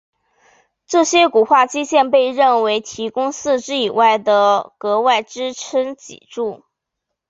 这些骨化肌腱被认为提供四肢以外的额外支撑脊椎。